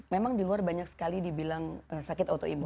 memang di luar banyak sekali dibilang sakit autoimun